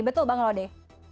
betul bang lode